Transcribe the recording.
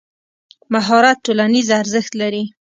مهارت ټولنیز ارزښت لري.